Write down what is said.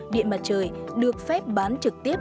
điện mặt trời được phép bán trực tiếp